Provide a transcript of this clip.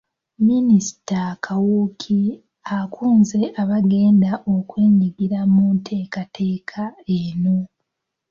Minisita Kawuki akunze abaganda okwenyingira mu nteekateeka eno.